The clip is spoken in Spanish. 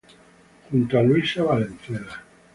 Junto a Luisa Valenzuela.